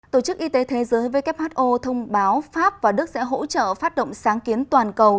tổ chức y tế thế giới who thông báo pháp và đức sẽ hỗ trợ phát động sáng kiến toàn cầu